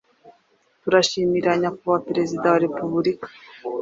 Turashimira Nyakubahwa Perezida wa Repubulika